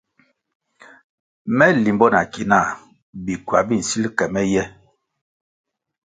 Me limbo na ki náh bikywa bi nsil ke me ye.